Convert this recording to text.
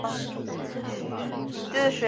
溶于水呈无色。